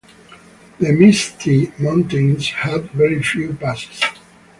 The Misty Mountains had very few passes.